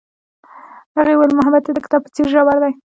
هغې وویل محبت یې د کتاب په څېر ژور دی.